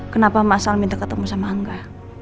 kenapa mas al minta ketemu sama angga